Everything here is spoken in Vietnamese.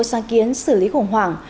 sáng kiến xử lý khủng hoảng